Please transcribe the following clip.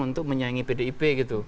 untuk menyaingi pdip